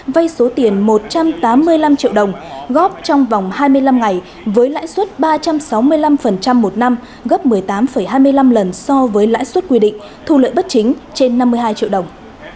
vay số tiền một trăm tám mươi năm triệu đồng góp trong vòng hai mươi năm ngày với lãi suất ba trăm sáu mươi năm một năm gấp một mươi tám hai mươi năm lần so với lãi suất quy định thu lợi bất chính trên năm mươi hai triệu đồng